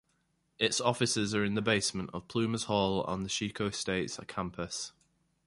Its offices are in the basement of Plumas Hall on the Chico State campus.